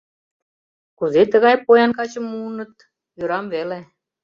Кузе тыгай поян качым муыныт — ӧрам веле.